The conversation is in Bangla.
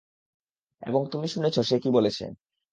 এবং তুমি শুনেছ সে কি বলেছে।